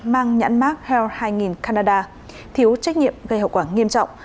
mang nhãn mark health hai nghìn canada thiếu trách nhiệm gây hậu quả nghiêm trọng